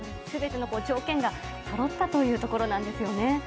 すべての条件がそろったというところなんですよね。